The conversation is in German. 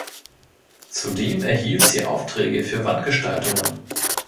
Zudem erhielt sie Aufträge für Wandgestaltungen.